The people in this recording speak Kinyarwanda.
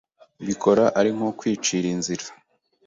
mbikora ari nko kwicira inzira